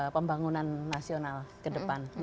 pembangunan nasional ke depan